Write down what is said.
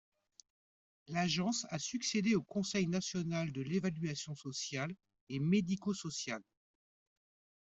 L’Agence a succédé au Conseil national de l’évaluation sociale et médico-sociale.